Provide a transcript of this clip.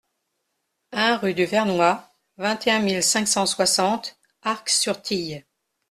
un rue du Vernoy, vingt et un mille cinq cent soixante Arc-sur-Tille